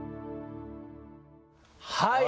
はい。